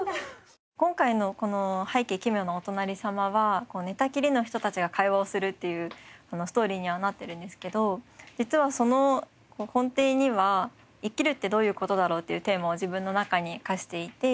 今回のこの『拝啓、奇妙なお隣さま』は寝たきりの人たちが会話をするっていうストーリーにはなっているんですけど実はその根底には「生きるってどういう事だろう」っていうテーマを自分の中に課していて。